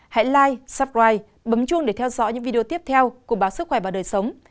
hãy like subscribe bấm chuông để theo dõi những video tiếp theo của báo sức khỏe và đời sống